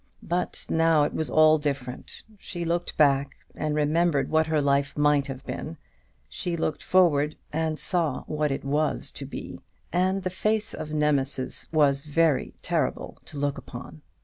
But now it was all different. She looked back, and remembered what her life might have been: she looked forward, and saw what it was to be: and the face of Nemesis was very terrible to look upon.